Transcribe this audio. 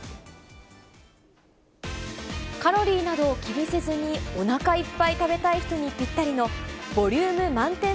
カロリーなどを気にせずに、おなかいっぱい食べたい人にぴったりの、ボリューム満点